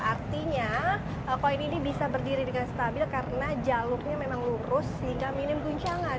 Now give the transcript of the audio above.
artinya koin ini bisa berdiri dengan stabil karena jalurnya memang lurus sehingga minim guncangan